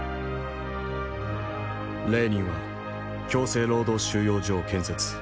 レーニンは強制労働収容所を建設。